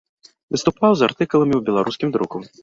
Выступаў з артыкуламі ў беларускім друку.